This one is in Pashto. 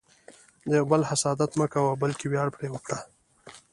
د یو بل حسادت مه کوه، بلکې ویاړ پرې وکړه.